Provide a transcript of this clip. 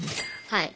はい。